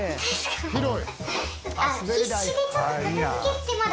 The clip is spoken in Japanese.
広い！